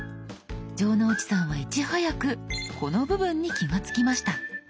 城之内さんはいち早くこの部分に気が付きました。